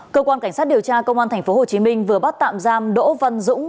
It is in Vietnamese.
cơ quan cảnh sát điều tra công an tp hcm vừa bắt tạm giam đỗ văn dũng